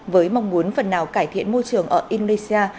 với mong muốn phần nào cải thiện môi trường ở indonesia